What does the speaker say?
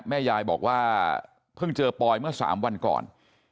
แม่ยายบอกว่าเพิ่งเจอปอยเมื่อ๓วันก่อน